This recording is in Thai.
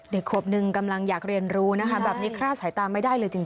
เด็กขวบนึงกำลังอยากเรียนรู้นะคะแบบนี้คลาดสายตาไม่ได้เลยจริง